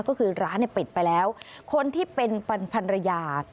ก็คือร้านเนี่ยปิดไปแล้วคนที่เป็นพันรยา